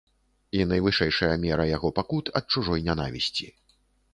І найвышэйшая мера яго пакут ад чужой нянавісці.